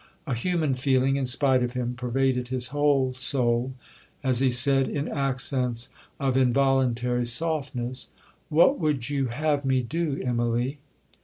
A human feeling, in spite of him, pervaded his whole soul, as he said, in accents of involuntary softness, 'What would you have me do, Immalee?'